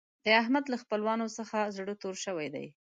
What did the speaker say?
د احمد له خپلوانو څخه زړه تور شوی دی.